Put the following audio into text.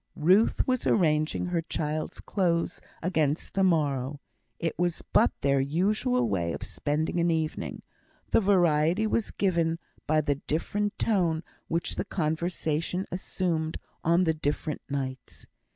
Ruth was arranging her child's clothes against the morrow. It was but their usual way of spending an evening; the variety was given by the different tone which the conversation assumed on the different nights.